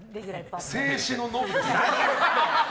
静止のノブですね。